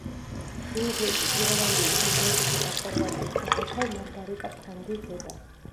ინგლისის, ირლანდიის, უნგრეთისა და ხორვატიის დედოფალ მარგარიტა ფრანგის დედა.